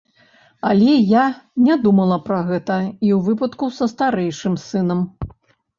Але я не думала пра гэта і ў выпадку са старэйшым сынам.